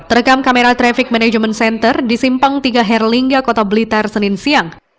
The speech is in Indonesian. terekam kamera traffic management center di simpang tiga herlingga kota blitar senin siang